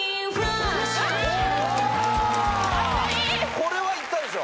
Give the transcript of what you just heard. これは行ったでしょ。